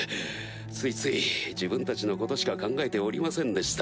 ついつい自分たちのことしか考えておりませんでした。